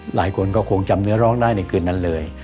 หลายคนก็คงจำเนื้อร้องได้ในคืนนั้นเลย